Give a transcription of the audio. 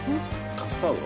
カスタード？